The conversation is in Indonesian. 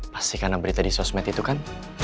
pasti karena berita di sosmed itu kan